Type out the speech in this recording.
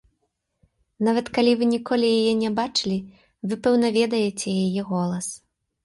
Нават калі вы ніколі яе не бачылі, вы пэўна ведаеце яе голас.